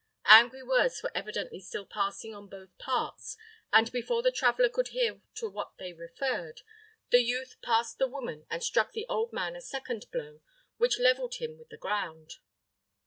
Angry words were evidently still passing on both parts, and before the traveller could hear to what they referred, the youth passed the woman, and struck the old man a second blow, which levelled him with the ground.